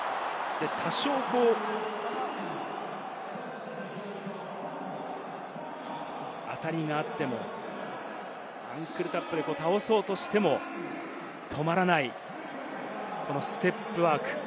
多少、当たりがあってもタックル、タックルで倒そうとしても止まらない、このステップワーク。